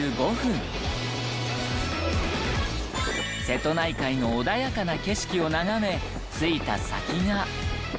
瀬戸内海の穏やかな景色を眺め着いた先が。